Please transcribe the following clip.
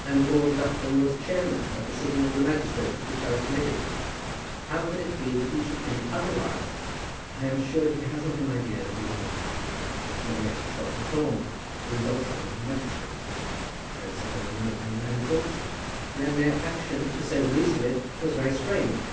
"And Lord Lufton was chairman at the sitting of the magistrates at which I was committed. How can it be that he should think otherwise?" "I am sure he has not an idea that you were guilty. Nor yet has Dr. Thorne, who was also one of the magistrates. I don't suppose one of them then thought so." "Then their action, to say the least of it, was very strange."